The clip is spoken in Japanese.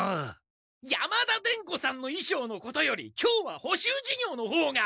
山田伝子さんのいしょうのことより今日は補習授業の方が。